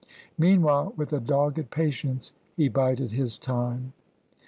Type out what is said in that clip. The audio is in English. Meanwhile, with a dogged patience, he bided his time.